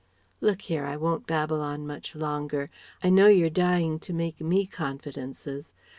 Look here, I won't babble on much longer.... I know you're dying to make me confidences....